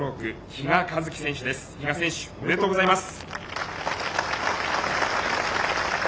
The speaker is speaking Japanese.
比嘉選手、おめでとうございます。